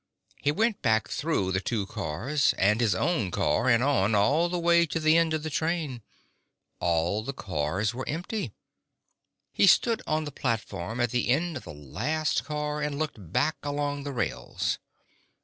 He went back through the two cars and his own car and on, all the way to the end of the train. All the cars were empty. He stood on the platform at the end of the last car, and looked back along the rails.